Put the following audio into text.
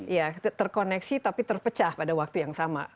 ya terkoneksi tapi terpecah pada waktu yang sama